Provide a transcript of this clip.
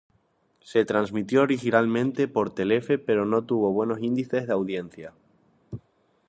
Se transmitió originalmente por Telefe pero no tuvo buenos índices de audiencia.